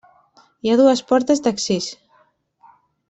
Hi ha dues portes d'accés.